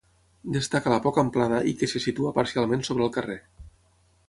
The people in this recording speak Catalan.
Destaca la poca amplada i que se situa parcialment sobre el carrer.